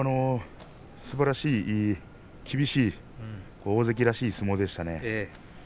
すばらしい厳しい大関らしい相撲でしたね。